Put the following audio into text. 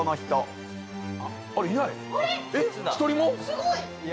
すごい！